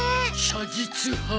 写実派。